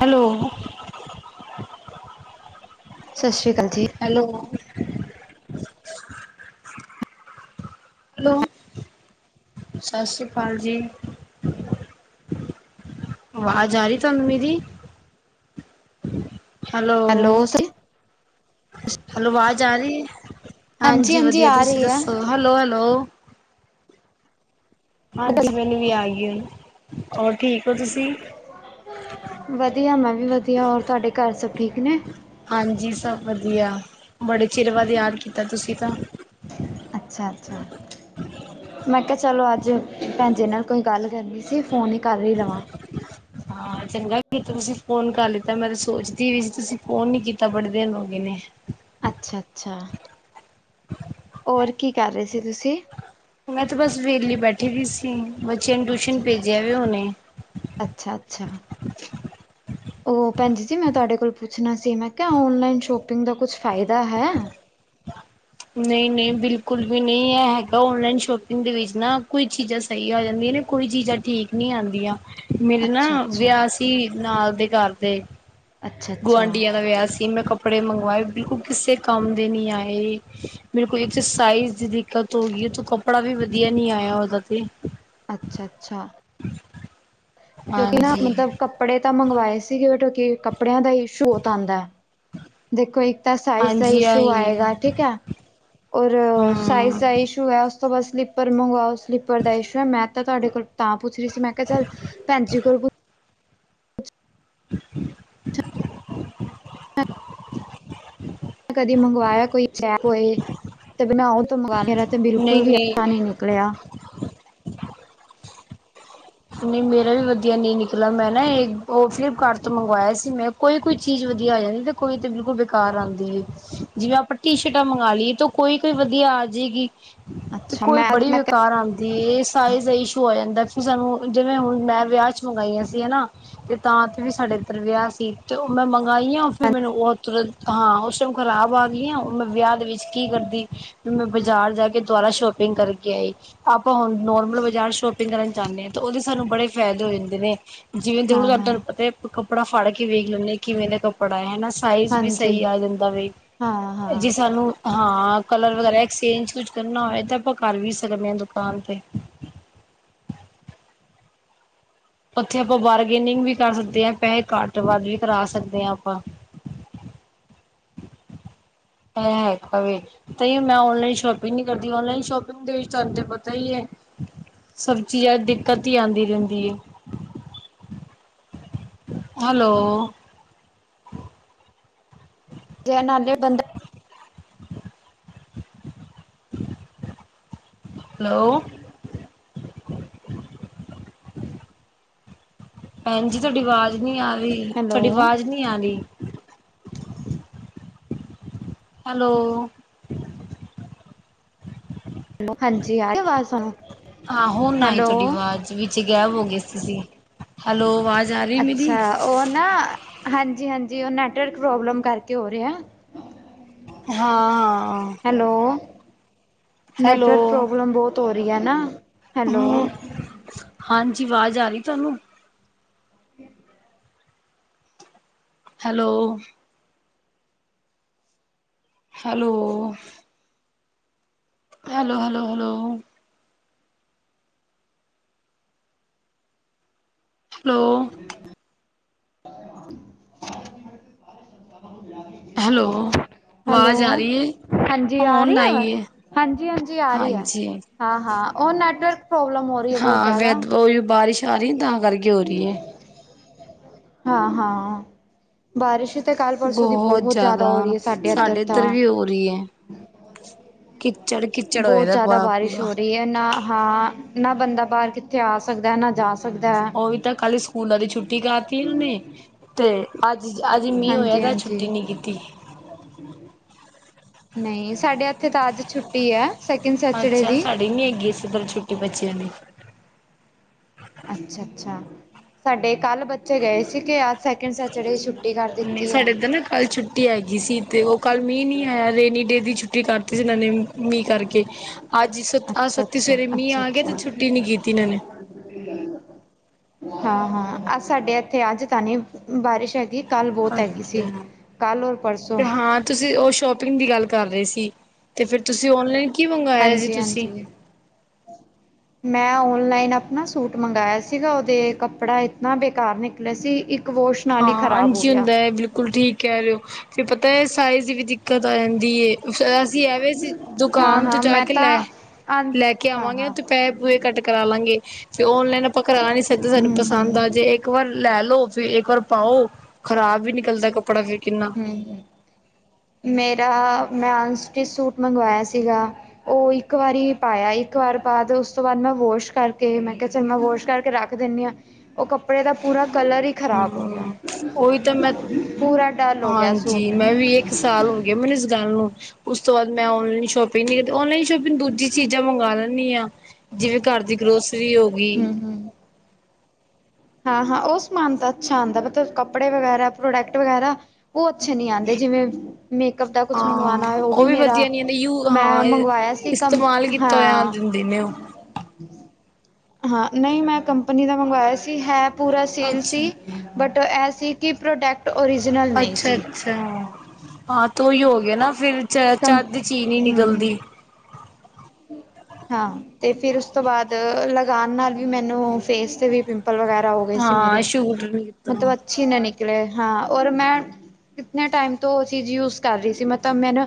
Hello. ਸਤਿ ਸ਼੍ਰੀ ਆਕਾਲ ਜੀ। ਹੈਲੋ ਹੈਲੋ ਸਤਿ ਸ੍ਰੀ ਅਕਾਲ ਜੀ। ਵਾਜ਼ ਆ ਰੀ ਤੁਹਾਨੂੰ ਮੇਰੀ ਹੈਲੋ ਹੈਲੋ ਵਾਜ਼ ਆ ਰੀ ਐ, ਹਾਂਜੀ ਹਾਂਜੀ-ਹਾਂਜੀ ਵਧੀਆ ਆ ਤੁਸੀਂ ਰਹੀ ਆ। ਦੱਸੋ ਹੈਲੋ ਹੈਲੋ ਹਾਂਜੀ ਮੈਨੂੰ ਵੀ ਆ ਗਈ ਹੋਰ ਠੀਕ ਹੋ ਤੁਸੀਂ? ਵਧੀਆ ਮੈਂ ਵੀ ਵਧੀਆ ਹੋਰ ਤੁਹਾਡੇ ਘਰ ਸਭ ਠੀਕ ਨੇ? ਹਾਂਜੀ ਸਭ ਵਦੀਆ, ਬੜੇ ਚਿਰ ਬਾਦ ਯਾਦ ਕੀਤਾ ਤੁਸੀਂ ਤਾਂ। ਅੱਛਾ-ਅੱਛਾ। ਮੈਂ ਕੇਆ ਚਲੋ ਅੱਜ ਭੈਣ ਜੀ ਨਾਲ ਵੀ ਕੋਈ ਗੱਲ ਕਰਨੀ ਸੀ, ਫੋਨ ਵੀ ਕਰ ਈ ਲਵਾਂ। ਹਾਂ ਚੰਗਾ ਕੀਤਾ ਤੁਸੀਂ ਫੋਨ ਕਰ ਲਿੱਤਾ। ਮੈਂ ਤੇ ਸੋਚਦੀ ਵੀ ਸੀ ਤੁਸੀਂ ਫੋਨ ਨੀ ਕੀਤਾ ਬੜੇ ਦਿਨ ਹੋ ਗਏ ਨੇ। ਅੱਛਾ-ਅੱਛਾ, ਔਰ ਕੀ ਕਰ ਰੇਸੀ ਤੁਸੀਂ? ਮੈਂ ਤੇ ਬਸ ਵੇਹਲੀ ਬੈਠੀ ਵੀ ਸੀ, ਬੱਚਿਆਂ ਨੂੰ ਟਿਊਸ਼ਨ ਅੱਛਾ, ਭੇਜਿਆ ਏ ਹੁਨੇ। ਅੱਛਾ-ਅੱਛਾ। [inaudible] ਓ ਭੈਣਜੀ ਜੀ, ਮੈਂ ਤੁਆਡੇ ਕੋਲ ਪੁੱਛਣਾ ਸੀ ਮੈਂ ਕੇਆ ਔਨਲਾਈਨ ਸ਼ੋਪਿੰਗ ਦਾ ਕੁਛ ਫਾਇਦਾ ਹੈ? ਨਈਂ-ਨਈਂ ਬਿਲਕੁਲ ਵੀ ਨਈਂ ਐ ਹੈਗਾ, ਓਨਲਾਈਨ ਸ਼ੋਪਿੰਗ ਦੇ ਵਿੱਚ ਨਾ ਕੋਈ ਚੀਜ਼ਾਂ ਸਈ ਆ ਜਾਦੀਆਂ ਨੇ ਕੋਈ ਚੀਜਾਂ ਠੀਕ ਨੀ ਆਂਦੀਆਂ। ਮੇਰੇ ਨਾ ਅੱਛਾ-ਅੱਛਾ, ਵਿਯਾ ਸੀ ਨਾਲ ਦੇ ਘਰ ਦੇ ਅੱਛਾ-ਅੱਛਾ ਗੁਆਂਢੀਆਂ ਦਾ ਵਿਯਾ ਸੀ, ਮੈਂ ਕੱਪੜੇ ਮੰਗਵਾਏ ਬਿਲਕੁਲ ਕਿਸੇ ਕੰਮ ਦੇ ਨੀ ਆਏ। ਮੇਰੇ ਕੋਲ ਇੱਕ ਤੇ ਸਾਈਜ ਦੀ ਦਿੱਕਤ ਹੋ ਗਈ, ਤੋਂ ਕੱਪੜਾ ਵੀ ਵਧੀਆ ਨੀਂ ਆਯਾ ਓਦਾ ਤੇ। ਅੱਛਾ-ਅੱਛਾ। ਕਿਉਂਕਿ ਨਾ ਹਾਂਜੀ ਮਤਲਬ ਕੱਪੜੇ ਤਾਂ ਮੰਗਵਾਏ ਸੀਗੇ ਕਿ ਕੱਪੜਿਆਂ ਦਾ ਈਸ਼ੂ ਬੋਤ ਆਂਦੈ। ਦੇਖੋ, ਇੱਕ ਤਾਂ ਸਾਈਜ ਦਾ ਹਾਂਜੀ ਈਸ਼ੂ ਆਹੀ ਹੈ ਆਏਗਾ ਠੀਕੈ। ਔਰ ਸਾਈਜ ਹੂੰ ਦਾ ਈਸ਼ੂ ਐ ਉਸ ਤੋਂ ਬਾਅਦ ਸਲੀਪਰ ਮੰਗਵਾਓ ਸਲੀਪਰ ਦਾ ਈਸ਼ੂ ਐ, ਮੈਂ ਤਾਂ ਤੁਆਡੇ ਕੋਲ ਤਾਂ ਪੁੱਛ ਰੀ ਸੀ ਮੈਂ ਕੇਆ ਚੱਲ ਭੈਣਜੀ ਕੋਲ ਪੁਛ [inaudible] ਕਦੀ ਮੰਗਵਾਯਾ ਕੋਈ ਚਾਹ ਹੋਏ ਤੇ ਬਣਾਓ ਤਾਂ ਮੰਗਵਾਓ ਮੇਰਾ ਤੇ ਬਿਲਕੁਲ ਵੀ ਨਹੀਂ-ਨਹੀਂ ਆਸਾਨ ਵੀ ਆਨ ਈ ਨੀ [unintelligible] ਨੀਂ ਮੇਰਾ ਵੀ ਵਧੀਆ ਨੀਂ ਨਿਕਲਾ, ਮੈਂ ਨਾ ਇਕ ਓ ਫਲਿਪਕਾਰਟ ਤੋਂ ਮੰਗਵਾਯਾ ਸੀ ਮੈਂ ਕੋਈ ਕੋਈ ਚੀਜ ਵਧੀਆ ਆ ਜਾਂਦੀ ਏ, ਕੋਈ ਤੇ ਬਿਲਕੁਲ ਬੇਕਾਰ ਆਂਦੀ ਏ ਜਿਵੇਂ ਆਪਾਂ ਟੀ-ਸ਼ਰਟਾਂ ਮੰਗਾ ਲਈਏ ਕੋਈ-ਕੋਈ ਵਧੀਆ ਆ ਜੇਗੀ ਤੇ ਅੱਛਾ ਕੋਈ ਮੈਂ ਬੜੀ ਮੈਂ ਬੇਕਾਰ ਆਂਦੀ ਏ, ਸਾਈਜ਼ ਦਾ ਈਸ਼ੂ ਆ ਜਾਂਦਾ ਫੇਰ ਸਾਨੂੰ ਜਿਵੇਂ ਹੁਣ ਮੈਂ ਵਿਯਾ 'ਚ ਮੰਗਾਈਆਂ ਸੀ ਹੈਨਾ, ਤੇ ਤਾਂ ਵੀ ਸਾਡੇ ਇੱਧਰ ਵਿਯਾ ਸੀ ਤੇ ਓ ਮੈਂ ਮੰਗਾਈਆ ਹਾਂ ਫਿਰ ਮੈਨੂੰ ਓ ਤੁਰੰਤ ਹਾਂ, ਓ ਸਭ ਖਰਾਬ ਆ ਗਿਆਂ। ਮੈਂ ਵਿਯਾ ਦੇ ਵਿੱਚ ਕੀ ਕਰਦੀ ਵੀ, ਮੈਂ ਬਾਜ਼ਾਰ ਜਾ ਕੇ ਦੁਆਰਾ ਸ਼ੋਪਿੰਗ ਕਰਕੇ ਆਈ। ਆਪਾਂ ਹੁਣ ਨੋਰਮਲ ਵ ਸ਼ੋਪਿੰਗ ਕਰਨ ਜਾਂਣੇ ਆ ਤਾਂ ਓਦੇ ਸਾਨੂੰ ਬੜੇ ਫੈਦੇ ਹੋ ਜਾਂਦੇ ਨੇ ਜਿਵੇਂ ਦੇਖੋ ਹਾਂ ਹਾਂ ਤੂਆਨੂੰ ਪਤਾ ਏ ਕੱਪੜਾ ਫੜ ਕੇ ਵੇਖ ਲੈਂਨੇ ਆਂ, ਕਿਵੇਂ ਦਾ ਕੱਪੜਾ ਏ, ਹੈਨਾ ਸਾਈਜ ਵੀ ਹਾਂਜੀ ਸਈ ਆ ਜਾਂਦਾ ਵੇ, ਹਾਂ ਜੇ ਹਾਂ ਸਾਨੂੰ ਹਾਂ ਕਲਰ ਵਗੈਰਾ ਐਕਸਚੇਂਜ ਕੁਝ ਕਰਨਾ ਹੋਵੇ ਤਾਂ, ਆਪਾਂ ਕਰ ਵੀ ਸਕਦੇ ਆਂ ਦੁਕਾਨ ਤੇ। ਉੱਥੇ ਆਪਾਂ ਬਾਰਗੇਨਿੰਗ ਵੀ ਕਰ ਸਕਦੇ ਆਂ, ਪੈਸੇ ਘੱਟ-ਵੱਧ ਵੀ ਕਰਾ ਸਕਦੇ ਆ ਆਪਾਂ। ਐ ਔਖਾ ਵੇ। ਤਈਓ ਮੈਂ ਔਨਲਾਈਨ ਸ਼ੋਪਿੰਗ ਨੀ ਕਰਦੀ, ਔਨਲਾਈਨ ਸ਼ੋਪਿੰਗ ਦੇ ਵਿੱਚ ਤੁਆਨੂੰ ਤੇ ਪਤਾ ਈਏ ਸਭ ਚੀਆਂ 'ਚ ਦਿੱਕਤ ਈ ਆਂਦੀ ਰੈਂਦੀਏ। ਹੈਲੋ। ਗਿਆ, ਓ ਨਾਲੇ ਬੰਦਾ ਹੈਲੋ ਭੈਣ ਜੀ ਤੁਆਡੀ ਵਾਜ਼ ਨੀ ਆਰੀ, ਹੈਲੋ ਥੋੜੀ ਵਾਜ ਨੀ ਆਰੀ। ਹੈਲੋ। ਹਾਂਜੀ ਆਰੀ ਅਵਾਜ ਤੁਆਨੁ, ਹਾਂ ਹੁਣ ਆਈ ਤੁਹਾਡੀ ਹੈਲੋ ਆਵਾਜ਼ ਵਿੱਚ ਗੈਬ ਹੋਗੇ ਤੁਸੀ ਹੈਲੋ, ਵਾਜ ਆਰੀਏ ਮੇਰੀ? ਅੱਛਾ ਉਹ ਨਾ ਹਾਂਜੀ-ਹਾਂਜੀ ਉਹ ਨੈੱਟਵਰਕ ਪ੍ਰੋਬਲਮ ਕਰਕੇ ਹੋ ਰਿਹਾ। ਹਾਂ ਹੈਲੋ, ਹੈਲੋ ਨੈੱਟਵਰਕ ਪ੍ਰੋਬਲਮ ਬਹੁਤ ਹੋ ਰਹੀ ਹੈ ਨਾ, ਹੈਲੋ। ਹੂੰ ਹਾਂਜੀ ਵਾਜ਼ ਆ ਰਹੀ ਤੁਹਾਨੂੰ? [inaudible] Hello. Hello. Hello, ਹੈਲੋਬ hello. Hello. [inaudible] Hello hello, ਆਵਾਜ਼ ਆ ਰਹੀ ਏ ਹਾਂਜੀ ਆ ਹੁਣ ਰਹੀ ਆਈ ਅਵਾਜ, ਏ ਹਾਂਜੀ-ਹਾਂਜੀ ਆ ਰਹੀ ਆ। ਹਾਂਜੀ ਹਾਂ-ਹਾਂ, ਉਹ ਨੈਟਵਰਕ ਪ੍ਰੋਬਲਮ ਹੋ ਰਹੀ ਹੈ ਬਹੁਤ ਹਾਂ ਵੇਤ ਉਹ ਬਾਰਿਸ਼ ਆ ਰਹੀ ਆ ਤਾਂ ਕਰਕੇ। ਹੋ ਰਹੀ ਏ ਹਾਂ-ਹਾਂ। ਬਾਰਿਸ਼ ਤਾਂ ਕੱਲ ਪਰਸੋਂ ਦੀ ਬਹੁਤ ਜ਼ਿਆਦਾ ਹੋ ਰਹੀ ਹੈ ਸਾਡੇ ਇੱਧਰ ਤਾਂ ਹੋ ਰਹੀ ਹੈ। ਕਿੱਚੜ ਕਿੱਚੜ ਹੋਏ ਬਹੁਤ ਦਾ ਪ ਜ਼ਿਆਦਾ ਬਾਰਿਸ਼ ਪੂਰਾ ਹੋ ਰਹੀ ਹੈ ਨਾ ਹਾ ਨਾ ਬੰਦਾ ਬਾਹਰ ਕਿੱਥੇ ਆ ਸਕਦਾ ਨਾ ਜਾ ਸਕਦਾ ਉਹ ਵੀ ਤਾਂ ਕੱਲ ਸਕੂਲਾਂ ਦੀ ਛੁੱਟੀ ਕਰਤੀ ਇਹਨਾਂ ਨੇ ਤੇ ਅੱਜ, ਅੱਜ ਮੀਹ ਹੋਇਆ ਤੇ ਛੁੱਟੀ ਨੀ ਕੀਤੀ। [inaudible] ਨਹੀ ਸਾਡੇ ਇੱਥੇ ਤਾਂ ਅੱਜ ਛੁੱਟੀ ਐ ਸੈਕਿੰਡ ਸੈਚਡੇ ਦੀ। [unintelligible] ਪਰ ਛੁੱਟੀ ਬੱਚਿਆਂ ਦੀ, ਅੱਛਾ-ਅੱਛਾ, ਸਾਡੇ ਕੱਲ ਬੱਚੇ ਗਏ ਸੀ ਕਿ ਅੱਜ ਸੈਕਿੰਡ ਸੈਚਡੇ ਛੁੱਟੀ ਕਰ ਨਹੀ ਦਿੱਤੀ ਹੈ ਸਾਡੇ ਤਾਂ ਨਾ ਕੱਲ ਛੁੱ ਛੁੱਟੀ ਹੈਗੀ ਸੀ ਤੇ ਉਹ ਕੱਲ ਮੀਂਹ ਨਹੀਂ ਆਇਆ ਰੇਨੀ ਡੇ ਦੀ ਛੁੱਟੀ ਕਰਤੀ ਸੀ ਉਹਨਾਂ ਨੇ ਮੀਂਹ ਕਰਕੇ ਅੱਜ ਸ ਆਹ ਅੱਛਾ ਸੱਤੀ ਅੱਛਾ ਸਵੇਰੇ ਮੀਂਹ ਆ ਗਏ ਤੇ ਛੁੱਟੀ ਨੀ ਕੀਤੀ ਇਹਨਾਂ ਨੇ। ਹਾਂ-ਹਾਂ, ਅੱਜ ਸਾਡੇ ਇੱਥੇ ਅੱਜ ਤਾਂ ਨਹੀਂ ਬਾਰਿਸ਼ ਹੈਗੀ। ਕੱਲ ਬਹੁਤ ਹੈਗੀ ਸੀ, ਅੱਛਾ। ਕੱਲ ਔਰ ਪਰਸੋਂ। ਤੇ ਹਾਂ ਤੁਸੀਂ ਉਹ ਸ਼ੋਪਿੰਗ ਦੀ ਗੱਲ ਕਰ ਰਹੇ ਸੀ, ਤੇ ਫਿਰ ਤੁਸੀਂ ਔਨਲਾਈਨ ਕੀ ਮੰਗਵਾਇਆ ਸੀ ਹਾਂਜੀ ਤੁਸੀਂ। ਹਾਂਜੀ [inaudible] ਮੈਂ ਔਨਲਾਈਨ ਆਪਣਾ ਸੂਟ ਮੰਗਇਆ ਸੀਗਾ ਉਹਦੇ ਕੱਪੜਾ ਇਤਨਾ ਬੇਕਾਰ ਨਿਕਲਿਆ ਸੀ ਇੱਕ ਵੋਸ਼ ਹਾਂ ਨਾਲ ਹੀ ਖ਼ਰਾਬ ਹੋ ਹਾਂਜੀ ਗਿਆ ਹੁੰਦਾ ਹੈ ਬਿਲਕੁਲ ਠੀਕ। ਕਹਿ ਰਹੇ ਹੋ ਫਿਰ ਪਤਾ ਏ ਸਾਈਜ਼ ਦੀ ਵੀ ਦਿੱਕਤ ਆ ਜਾਂਦੀ ਏ। ਫਿਰ ਅਸੀਂ ਐਵੇਂ ਸੀ ਹਾਂ ਦੁਕਾਨ ਤੋਂ ਹਾਂ ਜਾ ਮੈਂ ਕੇ ਤਾਂ ਲੈ ਹਾਂ ਲੈ ਕੇ ਆਵਾਂਗੇ ਹਾਂ ਤੇ ਪੈਹੇ ਪੂਹੇ ਕੱਟ ਕਰਾ ਲਾਂਗੇ ਫਿਰ ਔਨਲਾਈਨ ਆਪਾਂ ਕਰਾ ਨੀ ਸਕਦੇ ਸਾਨੂੰ ਹਮ ਪਸੰਦ ਹਮ ਆ ਜੇ ਇੱਕ ਵਾਰ ਲੈ ਲਓ ਫੇਰ ਇੱਕ ਵਾਰ, ਪਾਓ ਖ਼ਰਾਬ ਵੀ ਨਿਕਲਦਾ ਕੱਪੜਾ ਫਿਰ ਕਿੰਨਾ। ਨਹੀ, ਮੇਰਾ ਮੈਂ ਅਨਸਟੀਚ ਸੂਟ ਮੰਗਵਾਇਆ ਸੀਗਾ। ਉਹ ਇੱਕ ਵਾਰੀ ਪਾਇਆ ਇੱਕ ਵਾਰ ਬਾਅਦ ਉਸ ਤੋਂ ਬਾਅਦ ਮੈਂ ਵੋਸ਼ ਕਰਕੇ ਮੈਂ ਕਿਹਾ ਚਲ ਮੈਂ ਵੋਸ਼ ਕਰਕੇ ਰੱਖ ਦਿੰਨੀ ਉਹ ਕੱਪੜੇ ਦਾ ਪੂਰਾ ਕਲਰ ਹੀ ਖਰਾਬ ਹੋ ਗਿਆ। ਹਮ ਉਹੀ ਤਾਂ ਮੈਂ ਡਲ ਹੋ ਗਿਆ ਹਾਂਜੀ ਸੂਟ ਮੈਂ ਵੀ, ਇੱਕ ਸਾਲ ਹੋ ਗਿਆ ਮੈਨੂੰ ਇਸ ਗੱਲ ਨੂੰ ਉਸ ਤੋਂ ਬਾਅਦ ਮੈਂ ਔਨਲਾਈਨ ਸ਼ੋਪਿੰਗ ਨ ਔਨਲਾਈਨ ਸ਼ੋਪਿੰ ਦੂਜੀ ਚੀਜ਼ਾਂ ਮੰਗਾ ਲੈਂਣੀ ਆ, ਜਿਵੇਂ ਘਰ ਦੀ ਗਰੋਸਰੀ ਹੋ ਗਈ ਹੂੰ-ਹੂੰ। ਹਾਂ-ਹਾਂ, ਓ ਸਮਾਨ ਤਾਂ ਅੱਛਾ ਆਂਦੈ ਮਤਲਬ ਕੱਪੜੇ ਵਗੈਰਾ, ਪ੍ਰੋਡਕਟ ਵਗੈਰਾ। ਓ ਅੱਛੇ ਨੀ ਆਦੇ ਜਿਵੇਂ ਮੇਕਅੱਪ ਦਾ ਕੁਛ ਹਾਂ ਮੰਗਵਾਣਾ ਹੋਏ ਓ ਉਹ ਵੀ ਮੇਰਾ, ਵਧੀਆ ਨੀ ਆਂਦੀ ਯੂ ਹਾਂ ਮੈਂ ਮੰਗਵਾਯਾ ਸੀ ਸੀ ਇਸਤੇਮਾਲ ਕੰਪ, ਕੀਤਾ ਹੋਇਆ ਹਾਂ। ਦਿੰਦੇ ਨੇ ਉਹ ਹਾਂ, ਨਈਂ ਮੈਂ ਕੰਪਨੀ ਦਾ ਮੰਗਵਾਯਾ ਸੀ, ਹੈ ਪੂਰਾ ਸੀਲ ਅੱਛਾ ਸੀ। ਬਟ ਐ ਸੀ ਕਿ ਪ੍ਰੋਡਕਟ ਟ ਓਰੀਜਨਲ ਨਹੀਂ ਸੀ ਅੱਛਾ-ਅੱਛਾ, ਹਾਂ ਤੋਂ ਓਈ ਹੋ ਗਿਆ ਨਾ ਫਿਰ ਕੰ ਚ-ਚੱਜ ਦੀ ਚੀਜ਼ ਨੀ ਹਮ ਨਿਕਲਦੀ। ਹਾਂ, ਤੇ ਫਿਰ ਉਸ ਤੋਂ ਬਾਦ ਲਗਾਨ ਨਾਲ ਵੀ ਮੈਨੂੰ ਫੇਸ ਤੇ ਵੀ ਪਿੰਪ ਪਲ ਵਗੈਰਾ ਹੋ ਗਏ ਸੀ ਮੇਰੇ ਹਾਂ ਸ਼ੂਟ ਨੀ ਕੀਤਾ ਮਤਲਬ ਅੱਛੀ ਨਾ ਨਿਕਲੇ, ਹਾਂ ਔਰ ਮੈਂ ਇਤਨੇ ਟੈਮ ਤੋਂ ਓ ਚੀਜ਼ ਯੂਜ ਕਰ ਰੀ ਸੀ। ਮਤਲਬ ਮੈਂ ਨਾ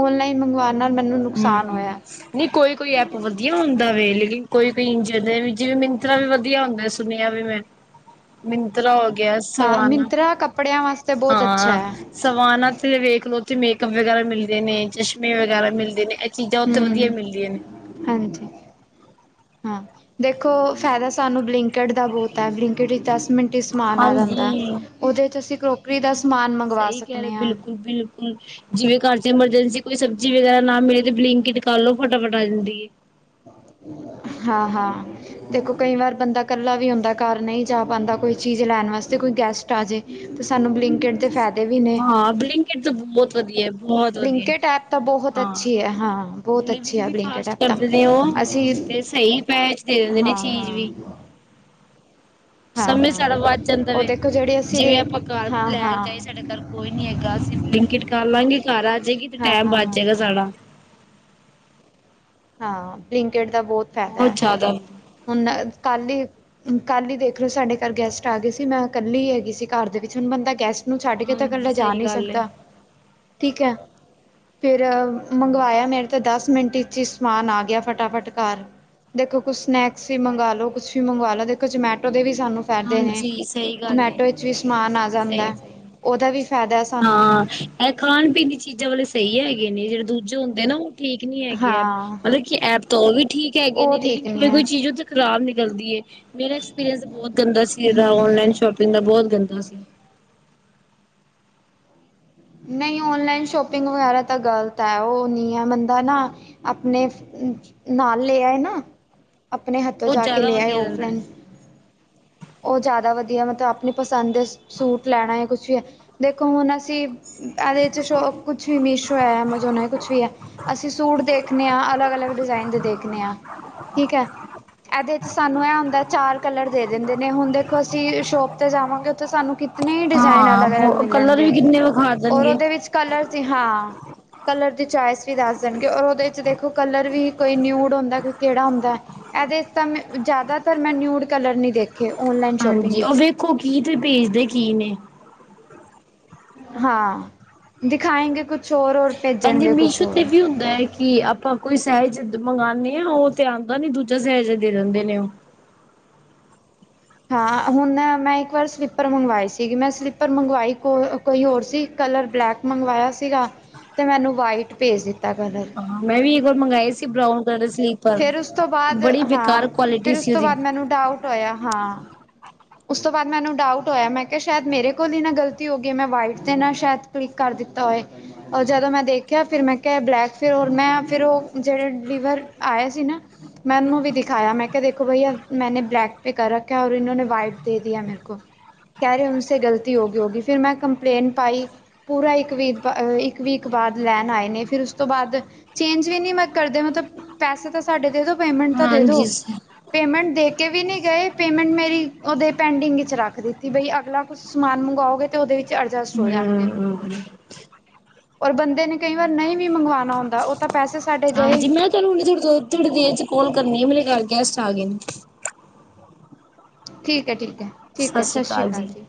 ਉਨਲਾਈਨ ਮੰਗਵਾਉਣ ਨਾਲ ਮੈਨੂੰ ਨ ਨੁਕਸਾਨ ਹੋਇਐ। ਨੀਂ ਕੋਈ-ਕੋਈ ਐਪ ਵਧੀਆ ਹੁੰਦਾ ਵੇ, ਲੇਕਿਨ ਕੋਈ-ਕੋਈ [unintelligible] ਜਿਵੇਂ ਮਿੰਤ੍ਰਾ ਵੀ ਵਧੀਆ ਹੁੰਦੈ, ਸੁਣਿਆ ਵੇ ਮੈਂ। ਮਿੰਤ੍ਰਾ ਹੋ ਗਯਾ, ਹਾਂ ਸਵਾਨਾ ਮਿੰਤਰਾ ਕੱਪੜਿਆਂ ਵਾਸਤੇ ਬਹੁਤ ਅੱਛਾ ਹਾਂ। ਹੈ ਸਵਾਨ ਤੇ ਵੇਖ ਲੋ ਤੇ ਮੇਕਅੱਪ ਵਗੈਰਾ ਮਿਲਦੇ ਨੇ, ਚਸ਼ਮੇ ਵਗੈਰਾ ਮਿਲਦ ਦੇ ਨੇ, ਐ ਚੀਜ਼ਾਂ ਓਥੇ ਵਧੀਆ ਹਮ ਮਿਲਦੀਆਂ ਨੇ। ਹਾਂਜੀ। ਹਾਂ, ਦੇਖੋ ਫਾਇਦਾ ਸਾਨੂੰ ਬਲਿੰਕਟ ਦਾ ਬੋਤ ਐ, ਬਲਿੰਕਟ ਇਚ ਦੱਸ ਮਿੰਟ'ਚ ਸਮਾਨ ਆ ਜਾਂਦੈ, ਦਲ ਹਾਂਜੀ ਓਦੇ ਚ ਅਸੀ ਕਰੋਕਰੀ ਦਾ ਸਮਾਨ ਮੰਗ ਸਈ ਕੈ ਰੇ ਬਿਲਕੁਲ -ਬਿਲਕੁਲ ਜਿਵੇਂ ਘਰ ਚ ਐਮਰਜੈਂਸੀ ਕੋਈ ਸਬ ਜੀ ਵਗੈਰਾ ਨਾ ਮਿਲੇ ਤੇ ਬਲਿੰਕਇਟ ਕਰ ਲੋ, ਫਟਾਫਟ ਆ ਜਾਂਦੀ ਏ। ਹਾਂ- ਹਾਂ। ਦੇਖੋ ਕਈ ਵਾਰ ਬੰਦਾ ਕੱਲਾ ਵੀ ਹੁੰਦਾ ਘਰ, ਨਈਂ ਜਾ ਪਾਂਦਾ ਕੋਈ ਚੀਜ਼ ਲੈਣ ਵਾਸਤੇ, ਕੋਈ ਗੈਸਟ ਆ ਜੇ ਤੇ ਸਾਨੂੰ ਬਲਿੰਕਇਟ ਦੇ ਫੈਦ ਹਾਂ ਬਲਿੰਕਇਟ ਤੇ ਬੌਤ ਵਧੀਐ। ਬੋਤ ਵਧੀਆ ਬਲਿੰਕਟ ਐਪ ਤਾਂ ਬਹੁਤ ਹਾਂ! ਅੱਛੀ ਹੈ ਹਾਂ ਬਹੁਤ ਅੱਛੀ ਡਿਲੀਵਰੀ ਹੈ ਵੀ ਬਲਿੰਕਟ ਫਾਸਟ ਐਪ ਤਾਂ ਕਰਦੇ ਨੇ ਓ ਅਸੀਂ ਤੇ ਸਈ ਭੈਜ ਦੇ ਦੇਂਦੇ ਨੇ ਹਾਂ ਚੀਜ ਹਾਂ ਵੀ। ਹਾਂ ਸਮੇਂ ਹਾਂ ਸਾਡਾ ਬੱਚ ਜਾਂਦਾ ਔਰ ਵੇ, ਦੇਖੋ ਜਿਹੜੇ ਅਸੀਂ ਜਿਵੇਂ ਰੇਟ ਆਪਾਂ ਕਾਰ ਚ ਹਾਂ ਹਾਂ ਲੈਣ ਜਾਏ ਸਾਡੇ ਘਰ ਕੋਈ ਨੀ ਹੈਗਾ, ਅਸੀਂ ਬਲਿੰਕਇਟ ਕਰ ਲਾਂਗੇ, ਘਰ ਆ ਜੇਗੀ ਤੇ ਹਾਂ ਟੈਮ ਹਾਂ ਬਚ ਹਾਂ ਜੇਗਾ ਸਾਡਾ। ਹਾਂ, ਬਲਿੰਕਇਟ ਦਾ ਬਹੁਤ ਫਾਇਦਾ ਬਹੁਤ ਹੈ ਜਾਦਾ ਹੁਣ ਕੱਲ ਈ ਕੱਲ ਈ ਦੇਖ ਲੋ, ਸਾਡੇ ਘਰ ਗੈਸਟ ਆ ਗਏ ਸੀ। ਮੈਂ ਕੱਲੀ ਹੈਗੀ ਸੀ ਘਰ ਦੇ ਵਿੱਚ, ਹੁਣ ਬੰਦਾ ਗੈਸਟ ਨੂੰ ਛੱਡ ਕੇ ਤਾਂ ਹਾਂਜੀ ਕੱਲਾ ਜਾ ਸਹੀ ਨਹੀਂ ਗੱਲ ਏ ਸਕਦਾ, ਠੀਕ ਐ! ਫਿਰ ਮੰਗਵਾਯਾ, ਮੇਰੇ ਤੇ ਦਸ ਮਿੰਟ ਇਚ ਹੀ ਸਮਾਨ ਆ ਗਿਆ ਫਟਾਫਟ ਘਰ। ਦੇਖੋ ਕੁਛ ਸਨੈਕਸ ਵੀ ਮੰਗਾ ਲੋ, ਕੁਛ ਵੀ ਮੰਗਵਾ ਲੋ, ਦੇਖੋ ਜਮੈਟੋ ਦੇ ਵੀ ਸਾਨੂੰ ਫੈਦੇ ਨੇ, ਹਾਂਜੀ ਸਹੀ ਗੱਲ ਏ ਜਮੈਟੋ ਵਿੱਚ ਵੀ ਸਮਾਨ ਆ ਸਹੀ ਜਾਂਦੈ। ਸਹੀ ਓਦਾ ਵੀ ਫੈਦਾ ਸ ਹਾਂ, ਐ ਖਾਣਪੀਣ ਦੀ ਚੀਜ਼ਾਂ ਵਾਲੇ ਸਈ ਹੈਗੇ ਨੇ, ਜੇੜੇ ਦੂਜੇ ਹੁੰਦੇ ਨਾ ਓ ਠੀਕ ਨੀਂ ਹੈਗੇ ਐਪ। ਹਾਂ ਮਤਲਬ ਕਿ ਐਪ ਤਾਂ ਓ ਵੀ ਠੀਕ ਹੈਗੇ ਉਹ ਨੇ ਲੇਕਿਨ ਠੀਕ ਨਹੀਂ ਕੋਈ- ਹੈ ਕੋਈ ਚੀਜ਼ ਓਥੇ ਖਰਾਬ ਨਿਕਲਦੀ ਏ। ਮੇਰਾ ਐਕਸਪੀਰੀਅੰਸ ਬਹੁਤ ਗੰਦਾ ਸੀ‌। ਜੇੜਾ ਹੂੰ ਹੂੰ ਔਨਲਾਈਨ ਸ਼ੋਪਿੰਗ ਦਾ ਬਹੁਤ ਗੰਦਾ ਸੀ। ਨਈਂ ਔਨਲਾਈਨ ਸ਼ੋਪਿੰਗ ਵਗੈਰਾ ਤਾਂ ਗ਼ਲਤ ਐ, ਓ ਨੀਂ ਐ, ਬੰਦਾ ਨਾ ਆਪਣੇ ਫ-ਅ-ਨਾਲ ਲੇ ਆਏ ਨ, ਆਪਨੇ ਹੱਥੋਂ ਉਹ ਜਾ ਕੇ ਜ਼ਿਆਦਾ ਲੇ ਆਏ ਵਧੀਆ ਓ ਰਹਿੰਦਾ ਹੈ ਫਰੈਂਡਸ। ਓ ਜਾਦਾ ਵਧੀਆ ਮਤਲਬ ਆਪਣੀ ਪਸੰਦ ਦੇ ਸੂਟ ਲੈਣਾ ਏ ਕੁਛ ਵੀ ਹੈ, ਦੇਖੋ ਹੁਣ ਅਸੀਂ ਐਦੇ ਚ ਸ਼ੋਪ ਕੁਛ ਵੀ ਮੀਸ਼ੋ ਐ, ਐਮਜੋਨ ਐ, ਕੁਛ ਵੀ ਐ। ਅਸੀਂ ਸੂਟ ਦੇਖਨੇ ਆਂ ਅਲੱਗ-ਅਲੱਗ ਡਿਜ਼ਾਇਨ ਦੇ ਦੇਖਨੇ ਆਂ, ਠੀਕ ਐ। ਏਦੇ 'ਚ ਸਾਨੂੰ ਐ ਹੁੰਦਾ ਚਾਰ ਕਲਰ ਦੇ ਦਿੰਦੇ ਨੇ ਹੁਣ ਦੇਖੋ ਅਸੀਂ ਸ਼ੋਪ 'ਤੇ ਜਾਵਾਂਗੇ ਉੱਥੇ ਸਾਨੂੰ ਕਿ ਇਤਨੀ ਡਿਜ਼ਾਇਨ ਅਲੱਗ-ਅਲੱਗ ਹਾਂ ਕਲਰ ਵੀ ਮਿਲਣਗੇ ਕਿੰਨੇ ਵਿਖਾ ਔਰ ਦੇਣਗੇ ਉਦੇ ਵਿੱਚ ਕਲਰ ਦੀ ਹਾਂ ਕਲਰ ਦੀ ਚੋਇਸ ਵੀ ਦੱਸ ਦੇਣਗੇ ਔਰ ਉਦੇ 'ਚ ਦੇਖੋ ਕਲਰ ਵੀ ਕੋਈ ਨਿਊਡ ਹੁੰਦਾ, ਕੋਈ ਕੇੜਾ ਹੁੰਦਾ ਐਦੇ ਤਾਂ ਮੈਂ ਜ਼ਿਆਦਾਤਰ ਮੈਂ ਨਿਊਡ ਕਲਰ ਨੀ ਦੇ ਹਾਂਜੀ ਓ ਵੇਖੋ ਕੀ ਦੇ ਭੇਜਦੇ ਕੀ ਨੇ। ਹਾਂ ਦਿਖਾਏਂਗੇ ਕੁਛ ਔਰ-ਔਰ ਇੰਝ ਮੀਸ਼ੋ 'ਤੇ ਵੀ ਹੁੰਦਾ ਕਿ ਆਪਾਂ ਕੋਈ ਸਾਇਜ ਮੰਗਾਨੇ ਆ ਓ 'ਤੇ ਆਂਦਾ ਨੀ ਦੂਜਾ ਸਾਇਜ ਦੇ ਦਿੰਦੇ ਨੇ ਓ। ਹਾਂ ਹੁਣ ਮੈਂ ਇੱਕ ਵਾਰ ਸਲੀਪਰ ਮੰਗਵਾਏ ਸੀਗੀ ਮੈਂ ਸਲੀਪਰ ਮੰਗਵਾਈ ਕੋ ਕੋਈ ਹੋਰ ਸੀ ਕਲਰ ਬਲੈਕ ਮੰਗਵਾਇਆ ਸੀਗਾ ਤੇ ਮੈਨੂੰ ਵਾਈਟ ਭੇਜ ਦਿੱਤਾ ਕਲਰ। ਹਾਂ ਮੈਂ ਵੀ ਇੱਕ ਵਾਰ ਮੰਗਾਏ ਸੀ ਬਰਾਊਨ ਕਲਰ ਸਲੀ ਫੇਰ ਉਸ ਤੋਂ ਬਾਅਦ ਹਾਂ, ਫਿਰ ਉਸ ਸੀ ਤੋਂ ਉਹਦੀ ਬਾਅਦ ਮੈਨੂੰ ਡਾਊਟ ਹੋਇਆ ਹਾਂ ਉਸ ਤੋਂ ਬਾਅਦ ਮੈਨੂੰ ਡਾਊਟ ਹੋਇਆ ਮੈਂ ਕੇਆ ਸ਼ਾਇਦ ਮੇਰੇ ਕੋਲ ਈ ਨਾ ਗਲਤੀ ਹੋਗੀ ਮੈਂ ਵਾਈਟ 'ਤੇ ਨਾ ਸ਼ਾਇਦ ਕਲਿਕ ਕਰ ਦਿੱਤਾ ਹੋਏ। ਔਰ ਜਦੋਂ ਮੈਂ ਦੇਖਿਆ ਫਿਰ ਮੈਂ ਕੇਆ ਬਲੈਕ ਫਿਰ ਔਰ ਮੈਂ ਫਿਰ ਓ ਜੇੜੇ ਡਿਲੀਵਰ ਆਏ ਸੀ ਨਾ ਮੈਂ ਉਨੂੰ ਵੀ ਦਿਖਾਇਆ ਮੈਂ ਕੇਆ ਦੇਖੋ ਬਈ ਆ ਮੈਨੇ ਬਲੈਕ ਪੇ ਕਰ ਰੱਖਾ ਔਰ ਈਨੋ ਨੇ ਵਾਈਟ ਦੇ ਦੀਆ ਮੇਰੇ ਕੋ ਕੈ ਰੇ ਉਨਸੇ ਗ਼ਲਤੀ ਹੋਗੀ-ਹੋਗੀ ਫਿਰ ਮੈਂ ਕੰਪਲੇਂਨ ਪਾਈ ਪੂਰਾ ਇੱਕ ਵੀਕ ਬਾ ਇੱਕ ਵੀਕ ਬਾਅਦ ਲੈਣ ਆਏ ਨੇ ਫਿਰ ਉਸ ਤੋਂ ਬਾਦ ਚੇਂਜ ਵੀ ਨੀ ਮੈਂ ਕਰਦੇ ਮਤਲਬ ਪੈਸੇ ਤਾਂ ਸਾਡੇ ਦੇ ਦੋ ਪੇਮੈਂਟ ਤਾਂ ਦੇ ਦੋ, ਹਾਂਜੀ ਹੂੰ ਪੇਮੈਂਟ ਦੇ ਕੇ ਵੀ ਨੀ ਗਏ ਪੇਮੈਂਟ ਮੇਰੀ ਉਦੇ ਪੈਂਡਿੰਗ ਵਿੱਚ ਰੱਖ ਦਿੱਤੀ ਬਈ ਅਗਲਾ ਕੁਛ ਸਮਾਨ ਮੰਗਾਓਗੇ 'ਤੇ ਉਦੇ ਵਿੱਚ ਅਡਜਸਟ ਹੋ ਜਾਣਗੇ। ਔਰ ਬੰਦੇ ਨੇ ਕਈ ਵਾਰ ਨਈ ਵੀ ਮੰਗਵਾਣਾ ਹੁੰਦਾ ਓ ਤਾਂ ਪੈਸੇ ਸਾਡੇ ਗਏ। ਹਾਂਜੀ ਮੈਂ ਤੁਹਾਨੂੰ ਥੋੜੀ ਦੇਰ, ਥੋੜੀ ਦੇਰ 'ਚ ਕਾਲ ਕਰਨੀ ਆ ਮੇਰੇ ਘਰ ਗੈਸਟ ਆ ਗੇ ਨੇ। ਠੀਕ ਏ, ਠੀਕ ਏ, ਠੀਕ ਏ ਸ ਸ਼੍ਰੀ ਕਾਲ ਜੀ।